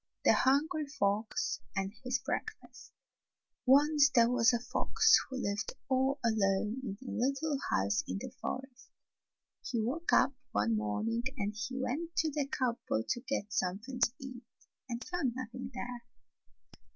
B. :, 1 » THE HUNGRY FOX AND HIS BREAKFAST O NCE there was a fox who lived all alone in a little house in the forest. He woke up one morning and went to the cup board to get something to eat, and found nothing there.